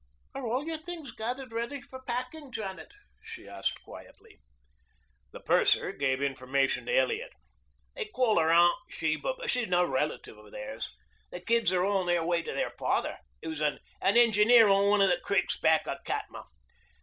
"Are all your things gathered ready for packing, Janet?" she asked quietly. The purser gave information to Elliot. "They call her Aunt Sheba, but she's no relative of theirs. The kids are on their way in to their father, who is an engineer on one of the creeks back of Katma.